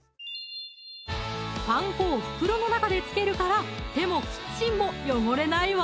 パン粉を袋の中で付けるから手もキッチンも汚れないわ！